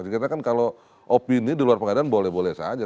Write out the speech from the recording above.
jadi kita kan kalau opini di luar pengadilan boleh boleh saja